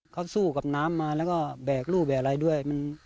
เขาสู้กับน้ำมาแล้วก็แบกรูแบกอะไรด้วย